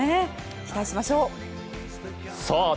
期待しましょう。